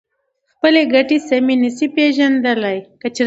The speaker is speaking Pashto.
خپلې ګټې سمې نشي پېژندلای.